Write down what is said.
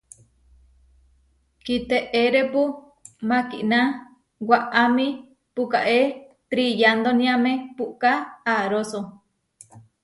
Kiteérepu mákina waʼámi puʼkáe triyandóniame puʼká aaróso.